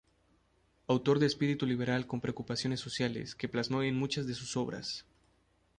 Autor de espíritu liberal con preocupaciones sociales que plasmó en muchas de sus obras.